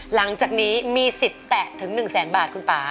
หลังจากนี้มีสิทธิ์แตะถึง๑แสนบาทคุณป่า